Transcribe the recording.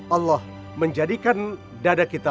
allah menjadikan dada kita